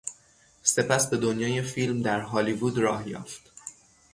سپس به دنیای فیلم در هالیوود راه یافت.